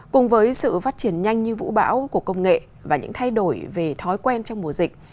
cùng với sự phát triển nhanh như vũ bão của công nghệ và những thay đổi về thói quen trong mùa dịch